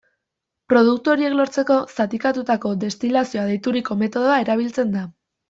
Produktu horiek lortzeko, zatikatutako destilazioa deituriko metodoa erabiltzen da.